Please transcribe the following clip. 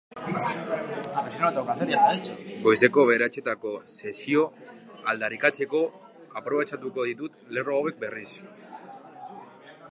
Goizeko bederatzietako sesioa aldarrikatzeko aprobetxatuko ditut lerro hauek, berriz.